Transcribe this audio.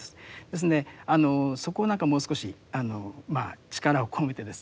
ですのでそこを何かもう少し力を込めてですね